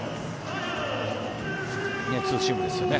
ツーシームですよね。